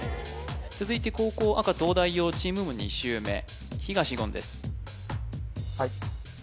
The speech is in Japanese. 続いて後攻赤東大王チームも２周目東言です